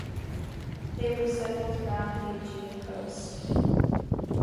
They were settled around the Aegean coast.